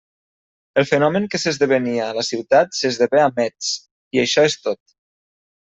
El fenomen que s'esdevenia a la ciutat s'esdevé a Metz, i això és tot.